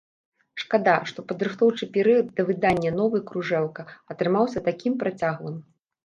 Шкада, што падрыхтоўчы перыяд да выдання новай кружэлка атрымаўся такім працяглым!